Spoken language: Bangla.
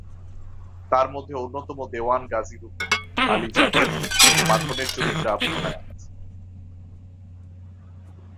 তার মধ্যে অন্যতম দেওয়ান গাজী রূপে আলী যাকের, মাখনের চরিত্রে আবুল হায়াত।